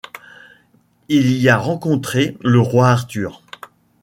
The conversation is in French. Il y a rencontré le roi Arthur.